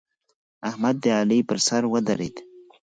احمد د علي پر سر ودرېد.